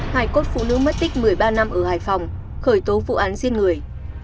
hai cốt phụ nữ mất tích một mươi ba năm ở hải phòng khởi tố vụ án giết người